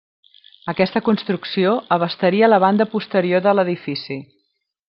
Aquesta construcció abastaria la banda posterior de l'edifici.